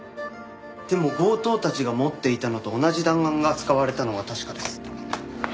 でも強盗たちが持っていたのと同じ弾丸が使われたのは確かです。